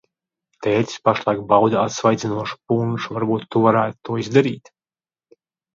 Tētis pašlaik bauda atsvaidzinošu punšu, varbūt tu varētu to izdarīt?